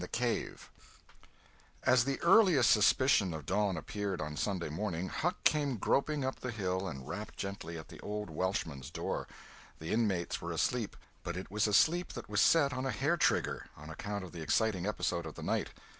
CHAPTER XXX AS the earliest suspicion of dawn appeared on Sunday morning, Huck came groping up the hill and rapped gently at the old Welshman's door. The inmates were asleep, but it was a sleep that was set on a hair trigger, on account of the exciting episode of the night.